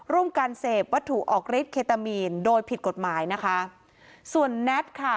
ร่วมการเสพวัตถุออกฤทธิเคตามีนโดยผิดกฎหมายนะคะส่วนแน็ตค่ะ